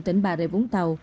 tỉnh bà rệ vũng tàu